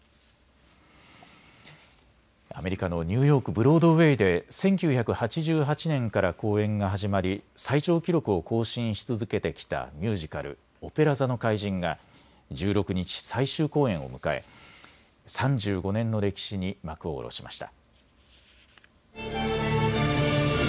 アメリカのニューヨーク・ブロードウェイで１９８８年から公演が始まり最長記録を更新し続けてきたミュージカルオペラ座の怪人が１６日、最終公演を迎え３５年の歴史に幕を下ろしました。